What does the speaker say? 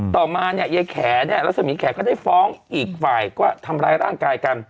ต่อมาเนี่ยยายแขเนี่ยรัศมีแขก็ได้ฟ้องอีกฝ่ายก็ทำร้ายร่างกายกัน